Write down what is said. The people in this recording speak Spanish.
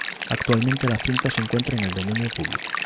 Actualmente la cinta se encuentra en el dominio público.